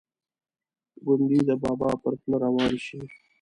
ګوندې د بابا پر پله روان شي.